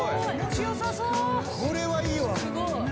これはいいわ。